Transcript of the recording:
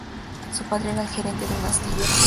Su padre era el gerente de un astillero.